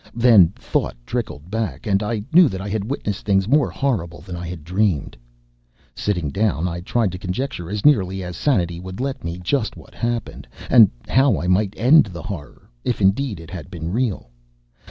Then thought trickled back, and I knew that I had witnessed things more horrible than I had dreamed. Sitting down, I tried to conjecture as nearly as sanity would let me just what had happened, and how I might end the horror, if indeed it had been real.